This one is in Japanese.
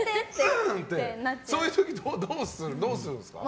そういう時、どうするんですか。